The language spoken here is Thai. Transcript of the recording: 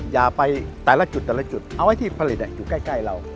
อย่าไปแต่ละจุดแต่ละจุดเอาไว้ที่ผลิตอยู่ใกล้เรา